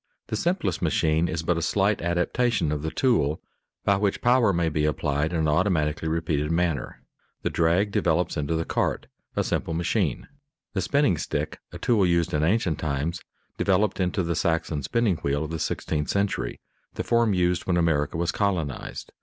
The simplest machine is but a slight adaptation of the tool, by which power may be applied in an automatically repeated manner. The drag develops into the cart, a simple machine. The spinning stick, a tool used in ancient times, developed into the Saxon spinning wheel of the sixteenth century, the form used when America was colonized.